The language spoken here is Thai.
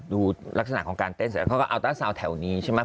ดูลักษณะของการเต้นเขาก็อัลตราสาวแถวนี้ใช่ไหม